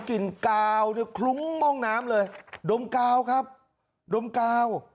คลุ้งห้องน้ำเลยดมกาวครับดมกาว